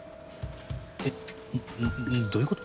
えっうんどういうこと？